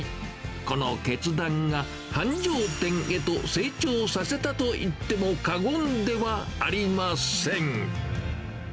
この決断が、繁盛店へと成長させたと言っても過言ではありません。